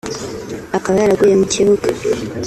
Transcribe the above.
akaba yaraguye mu kibuga